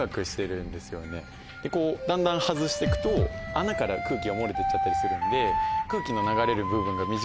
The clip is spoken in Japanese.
だんだん外していくと穴から空気が漏れていっちゃったりするんで。